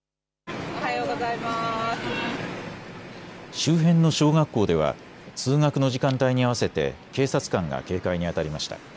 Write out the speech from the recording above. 周辺の小学校では通学の時間帯に合わせて警察官が警戒にあたりました。